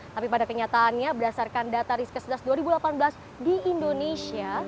tapi pada kenyataannya berdasarkan data riskesdas dua ribu delapan belas di indonesia